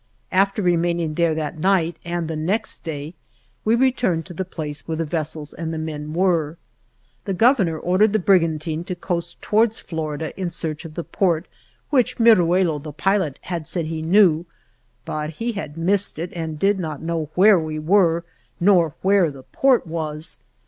After remaining there that night and the next day, we returned to the place where the ves sels and the men were. The Governor or dered the brigantine to coast towards Flor ida in search of the port which Miruelo, the pilot, had said he knew, but he had missed it and did not know where we were, nor where the port was.